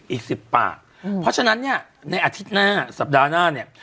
อีกสิบปากเพราะฉะนั้นเนี่ยในอาทิตย์หน้าสัปดาห์หน้าเนี่ย